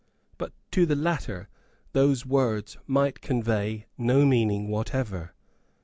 But to the latter those words might convey no idea whatever.